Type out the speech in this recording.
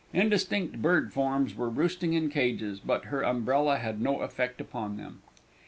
Indistinct bird forms were roosting in cages; but her umbrella had no effect upon them.